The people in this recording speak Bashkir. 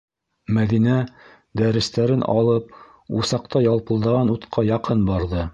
Мәҙинә, дәрестәрен алып, усаҡта ялпылдаған утҡа яҡын барҙы.